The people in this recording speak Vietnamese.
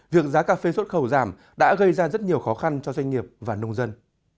việc giá cà phê xuất khẩu giảm đã gây ra rất nhiều khó khăn cho doanh nghiệp và nông dân